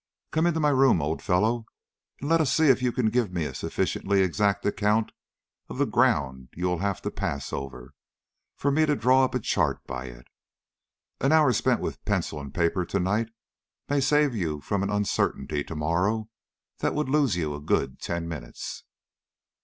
Come into my room, old fellow, and let us see if you can give me a sufficiently exact account of the ground you will have to pass over, for me to draw up a chart by it. An hour spent with paper and pencil to night may save you from an uncertainty to morrow that would lose you a good ten minutes."